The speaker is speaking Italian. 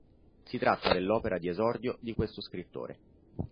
Si tratta dell'opera di esordio di questo scrittore.